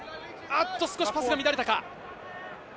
少しパスが乱れたか。